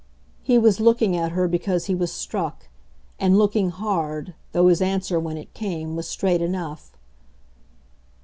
He was looking at her because he was struck, and looking hard though his answer, when it came, was straight enough.